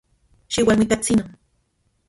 Xiualmuikatsino.